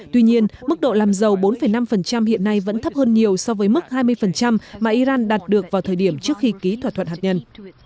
tuy nhiên mức độ làm giàu bốn năm hiện nay vẫn thấp hơn nhiều so với mức hai mươi mà iran đạt được vào thời điểm trước khi ký thỏa thuận hạt nhân